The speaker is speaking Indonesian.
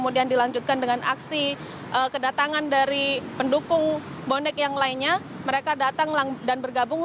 dan aksi kedatangan dari pendukung bonek yang lainnya mereka datang dan bergabung